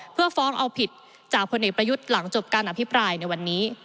เพื่อฟ้องเอาผิดจากพลเอกประยุทธ์หลังจบการอภิปรายในวันนี้